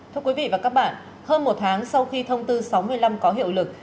thưa quý vị và các bạn hơn một tháng sau khi thông tư sáu mươi năm có hiệu lực